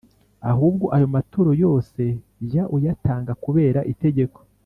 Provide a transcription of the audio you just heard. ahubwo ayo maturo yose jya uyatanga kubera itegeko.